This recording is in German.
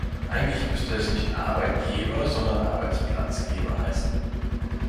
Eigentlich müsste es nicht Arbeitgeber, sondern Arbeitsplatzgeber heißen.